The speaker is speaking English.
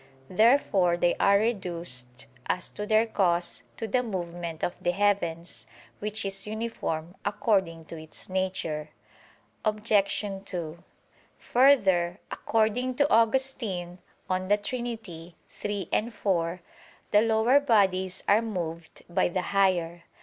Therefore they are reduced, as to their cause, to the movement of the heavens, which is uniform according to its nature. Obj. 2: Further, according to Augustine (De Trin. iii, 4) "the lower bodies are moved by the higher."